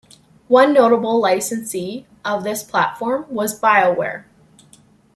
One notable licensee of this platform was BioWare.